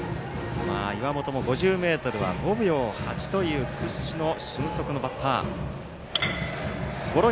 岩本も５０ｍは５秒８という屈指の俊足のバッター。